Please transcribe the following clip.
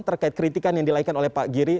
terkait kritikan yang dilahirkan oleh pak giri